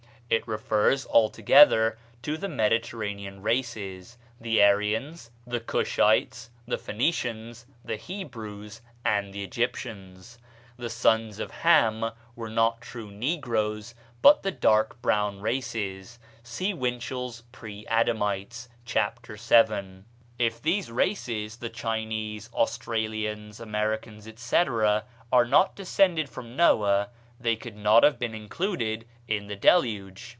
It refers altogether to the Mediterranean races, the Aryans, the Cushites, the Phoenicians, the Hebrews, and the Egyptians. "The sons of Ham" were not true negroes, but the dark brown races. (See Winchell's "Preadamites," chap. vii.) If these races (the Chinese, Australians, Americans, etc.) are not descended from Noah they could not have been included in the Deluge.